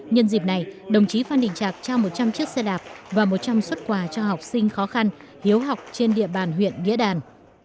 nhân dịp này đồng chí phan đình trạc trao một trăm linh chiếc xe đạp và một trăm linh xuất quà cho học sinh khó khăn hiếu học trên địa bàn huyện nghĩa đàn